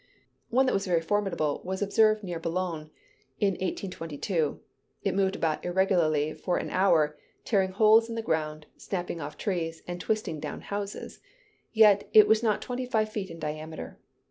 One that was very formidable, was observed near Boulogne, in 1822. It moved about irregularly for an hour, tearing holes in the ground, snapping off trees, and twisting down houses; yet, it was not twenty five feet in diameter.